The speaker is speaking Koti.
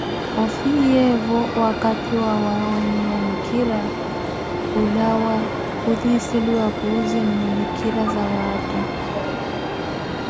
Ofiyeevo wakathi wootakha waawanyiwa mikhira, khulawa khutiseliwa Puuzi-nnu mikhira zawaatta.